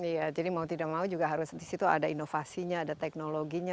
iya jadi mau tidak mau juga harus di situ ada inovasinya ada teknologinya